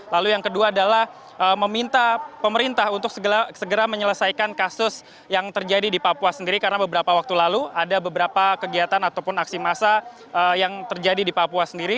lalu yang kedua adalah meminta pemerintah untuk segera menyelesaikan kasus yang terjadi di papua sendiri karena beberapa waktu lalu ada beberapa kegiatan ataupun aksi masalah